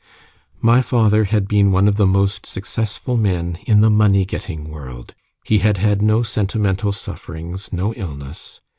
My father had been one of the most successful men in the money getting world: he had had no sentimental sufferings, no illness.